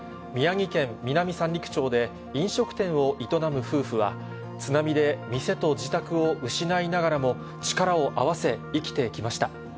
宮城県南三陸町で、飲食店を営む夫婦は、津波で店と自宅を失いながらも、力を合わせ生きてきました。